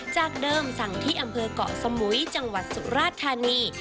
จากเดิมสั่งที่อำเภอกเกาะสมุยจังหวัดสุราธานี